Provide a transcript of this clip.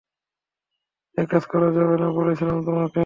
একাজ করা যাবে না, বলেছিলাম তোমাকে।